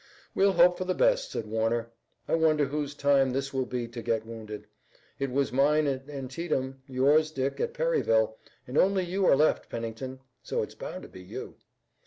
"We'll hope for the best," said Warner, "I wonder whose time this will be to get wounded. It was mine at Antietam, yours, Dick, at Perryville, and only you are left Pennington, so it's bound to be you."